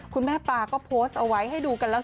ปลาก็โพสต์เอาไว้ให้ดูกันแล้ว